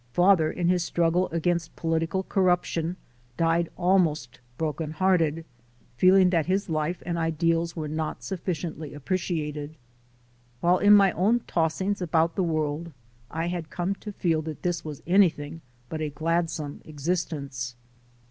Father in his struggle against po litical corruption died almost broken hearted, feel ing that his life and ideals were not sufficiently ap preciated. While in my own tossings about the world I had come to feel that this was anything but a gladsome existence.